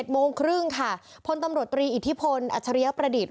โมงครึ่งค่ะพลตำรวจตรีอิทธิพลอัชริยประดิษฐ